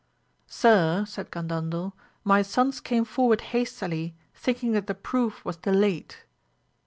Sir, said Gandandel, my sons came forward hastily thinking that the proof was delayed.